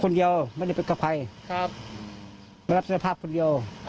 คนเดียวไม่ได้ไปกับใครครับไม่รับสภาพคนเดียว